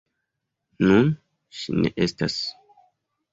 Nun ŝi ne estas.